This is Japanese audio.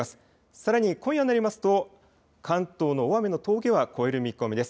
さらに今夜になりますと関東の大雨の峠は越える見込みです。